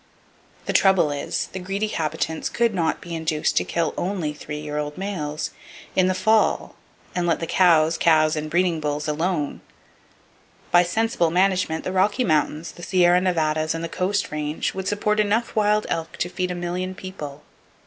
The trouble is,—the greedy habitants could not be induced to kill only the three year old males, in the fall, and let the cows, calves and breeding bulls alone! By sensible management the Rocky Mountains, the Sierra Nevadas and the Coast Range would support enough wild elk to feed a million people.